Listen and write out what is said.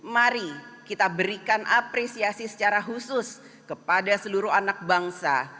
mari kita berikan apresiasi secara khusus kepada seluruh anak bangsa